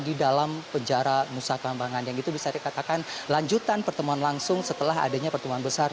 di dalam penjara nusa kambangan yang itu bisa dikatakan lanjutan pertemuan langsung setelah adanya pertemuan besar